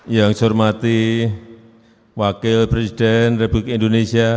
yang saya hormati wakil presiden republik indonesia